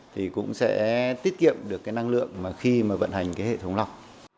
thì cũng sẽ tiết kiệm được cái năng lượng mà khi mà vận hành cái hệ thống lọc